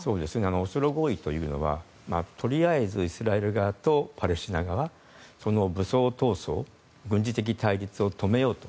オスロ合意というのはとりあえずイスラエル側とパレスチナ側、武装闘争軍事的対立を止めようと。